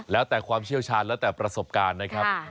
แล้วแต่ความเชี่ยวชาญแล้วแต่ประสบการณ์นะครับ